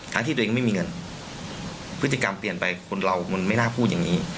ที่ตัวเองไม่มีเงินพฤติกรรมเปลี่ยนไปคนเรามันไม่น่าพูดอย่างนี้